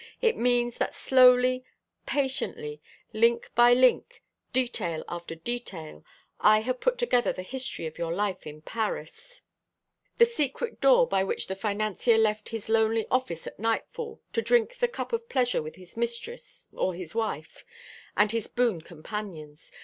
It means that slowly, patiently, link by link, detail after detail, I have put together the history of your life in Paris the secret door by which the financier left his lonely office at nightfall, to drink the cup of pleasure with his mistress or his wife and his boon companions.